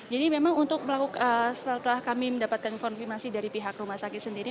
jadi memang untuk melakukan setelah kami mendapatkan konfirmasi dari pihak rumah sakit sendiri